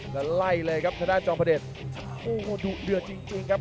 แล้วไล่เลยครับถ้าได้จองประเด็นโอ้โหดูเหลือจริงครับ